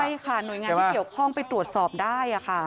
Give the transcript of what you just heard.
ใช่ค่ะหน่วยงานที่เกี่ยวข้องไปตรวจสอบได้ค่ะ